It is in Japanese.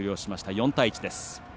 ４対１です。